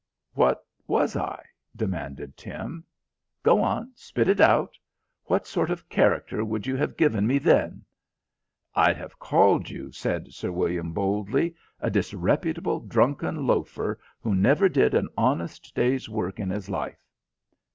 "What was I?" demanded Tim. "Go on, spit it out. What sort of character would you have given me then?" "I'd have called you," said Sir William boldly, "a disreputable drunken loafer who never did an honest day's work in his life."